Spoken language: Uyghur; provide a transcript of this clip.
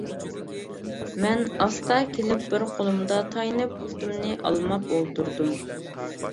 مەن ئاستا كېلىپ بىر قولۇمدا تايىنىپ پۇتۇمنى ئالماپ ئولتۇردۇم.